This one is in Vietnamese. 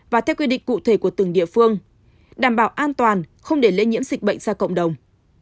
và theo quy định cụ thể của từng địa phương đảm bảo an toàn không để lây nhiễm dịch bệnh ra cộng đồng